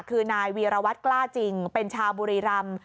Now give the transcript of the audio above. คือนายวีรวัตรกล้าจริงเป็นชาวบุรีรำ